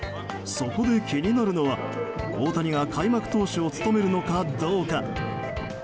そこで気になるのは大谷が開幕投手を務めるのかどうか。